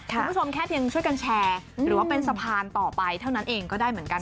คุณผู้ชมแค่เพียงช่วยกันแชร์หรือว่าเป็นสะพานต่อไปเท่านั้นเองก็ได้เหมือนกัน